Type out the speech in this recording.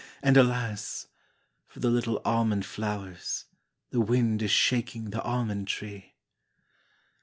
And, alas! for the little almond flowers, The wind is shaking the almond tree.